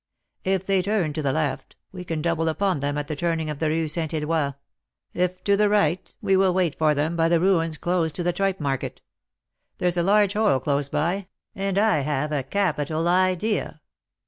If they turn to the left, we can double upon them at the turning of the Rue Saint Eloi; if to the right, we will wait for them by the ruins close to the tripe market. There's a large hole close by, and I have a capital idea."